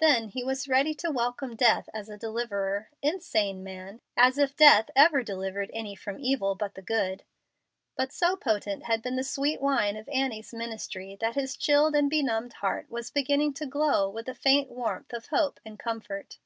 Then he was ready to welcome death as a deliverer. Insane man! As if death ever delivered any from evil but the good! But so potent had been the sweet wine of Annie's ministry that his chilled and benumbed heart was beginning to glow with a faint warmth of hope and comfort.